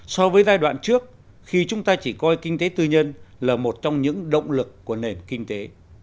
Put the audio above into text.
so với giai đoạn trước khi chúng ta chỉ coi kinh tế tư nhân là một trong những động lực của nền kinh tế